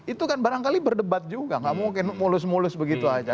itu kan barangkali berdebat juga gak mungkin mulus mulus begitu aja